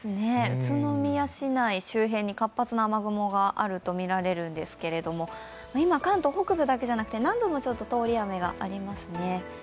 宇都宮市内周辺に活発な雨雲があるとみられるんですけど、今、関東北部だけじゃなくて南部も通り雨がありますね。